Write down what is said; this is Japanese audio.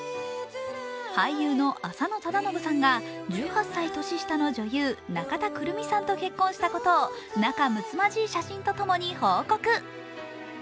俳優の浅野忠信さんが１８歳年下の女優、中田クルミさんと結婚したことを仲むつまじい写真と共に報告。